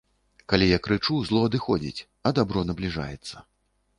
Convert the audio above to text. Калі я крычу, зло адыходзіць, а дабро набліжаецца.